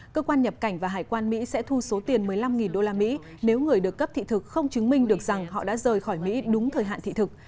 cơ quan nhập cảnh và hải quan mỹ sẽ thu số tiền một mươi năm usd nếu người được cấp thị thực không chứng minh được rằng họ đã rời khỏi mỹ đúng thời hạn thị thực